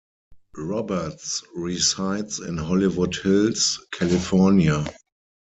Roberts resides in Hollywood Hills, California.